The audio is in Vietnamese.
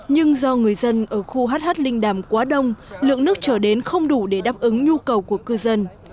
nhưng do người dân ở khu hh linh đàm quá đông lượng nước trở đến không đủ để đáp ứng nhu cầu của cư dân